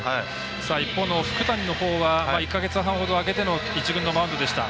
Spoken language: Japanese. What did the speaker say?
一方の福谷のほうは１か月半ほど空けての１軍のマウンドでした。